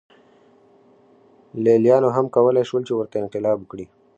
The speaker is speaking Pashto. لېلیانو هم کولای شول چې ورته انقلاب وکړي.